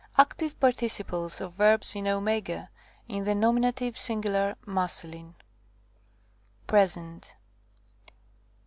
Active participles of verbs in q@, in the nominative, singular, masculine. Present.